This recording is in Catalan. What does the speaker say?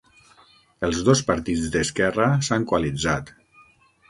Els dos partits d'esquerra s'han coalitzat.